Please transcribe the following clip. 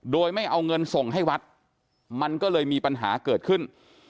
โดยไม่เอาเงินส่งให้วัดมันก็เลยมีปัญหาเกิดขึ้น